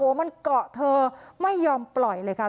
มันเกาะเธอไม่ยอมปล่อยเลยค่ะ